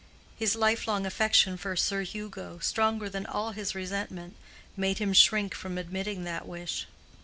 His life long affection for Sir Hugo, stronger than all his resentment, made him shrink from admitting that wish.